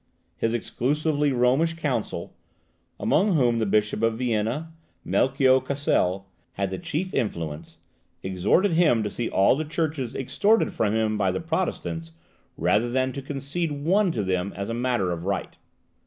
His exclusively Romish council, among which the Bishop of Vienna, Melchio Kiesel, had the chief influence, exhorted him to see all the churches extorted from him by the Protestants, rather than to concede one to them as a matter of right.